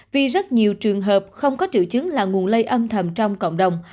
vì rất nhiều trường hợp không có triệu chứng là nguồn lây âm thầm trong cộng đồng